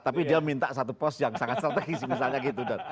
tapi dia minta satu pos yang sangat strategis misalnya gitu